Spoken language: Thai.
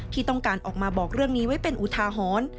ที่ต้องการออกมาบอกเรื่องนี้ไว้เป็นอุทาหรณ์